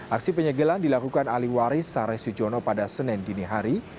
aksi penyegelan dilakukan ahli waris sare sujono pada senin dini hari